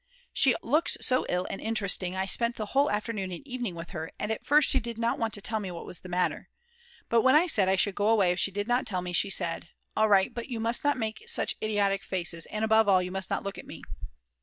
She looks so ill and interesting, I spent the whole afternoon and evening with her; and at first she did not want to tell me what was the matter. But when I said I should go away if she did not tell me, she said: "All right, but you must not make such idiotic faces, and above all you must not look at me."